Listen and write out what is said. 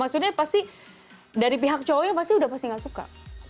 maksudnya pasti dari pihak cowoknya pasti udah nggak suka